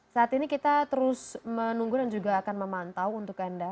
saat ini kita terus menunggu dan juga akan memantau untuk anda